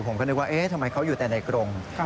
ผมก็นึกว่าเอ๊ะทำไมเขาอยู่แต่ในกรง